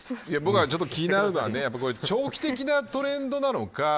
僕がちょっと気になるのは長期的なトレンドなのか